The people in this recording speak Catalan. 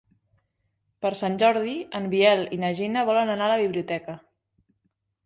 Per Sant Jordi en Biel i na Gina volen anar a la biblioteca.